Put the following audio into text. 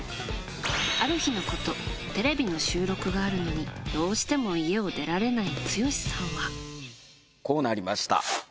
ある日のこと、テレビの収録があるのに、どうしても家を出られなこうなりました。